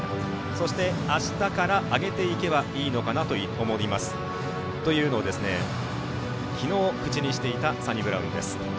そして、あしたから上げていけばいいのかなと思いますということを昨日、口にしていたサニブラウンです。